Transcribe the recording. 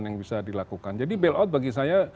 yang bisa dilakukan jadi bil out bagi saya